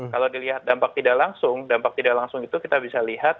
kalau dilihat dampak tidak langsung dampak tidak langsung itu kita bisa lihat